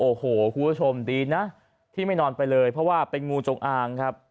โอ้โหคุณผู้ชมดีนะที่ไม่นอนไปเลยเพราะว่าเป็นงูจงอางครับ